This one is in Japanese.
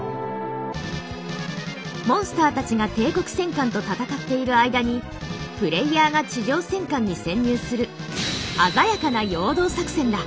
モンスターたちが帝国戦艦と戦っている間にプレイヤーが地上戦艦に潜入する鮮やかな陽動作戦だ。